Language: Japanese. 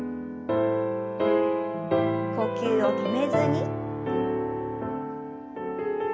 呼吸を止めずに。